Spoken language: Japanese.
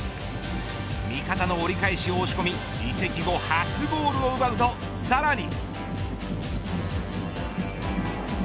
味方の折り返しを押し込み移籍後、初ゴールを奪うとさらに。